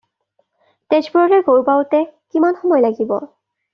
তেজপুৰলৈ গৈ পাওঁতে কিমান সময় লাগিব?